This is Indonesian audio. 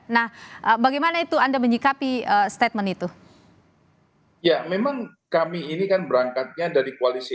nah bagaimana itu anda menyikapi statement itu ya memang kami ini kan berangkatnya dari koalisi